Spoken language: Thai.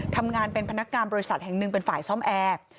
ทำงานเป็นพนักงานบริษัทแห่งหนึ่งเป็นฝ่ายซ่อมแอร์